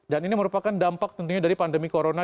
dan ini merupakan dampak tentunya dari pandemi corona